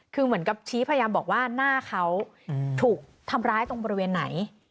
คือเหมือนกับชี้พยายามบอกว่าหน้าเขาถูกทำร้ายตรงบริเวณไหน